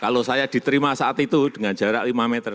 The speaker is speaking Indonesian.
kalau saya diterima saat itu dengan jarak lima meter